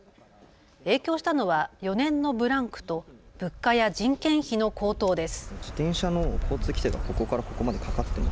影響したのは４年のブランクと物価や人件費の高騰です。